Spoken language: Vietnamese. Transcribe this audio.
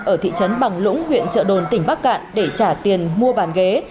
ở thị trấn bằng lũng huyện trợ đồn tỉnh bắc cạn để trả tiền mua bàn ghế